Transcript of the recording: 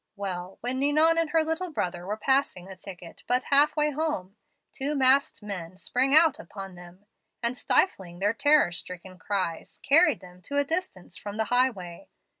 Well, when Ninon and her little brother were passing a thicket but half way home, two masked men sprang out upon them, and, stifling their terror stricken cries, carried them to a distance from the highway.